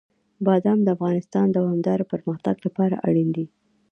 بادام د افغانستان د دوامداره پرمختګ لپاره اړین دي.